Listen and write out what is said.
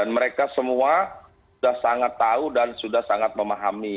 mereka semua sudah sangat tahu dan sudah sangat memahami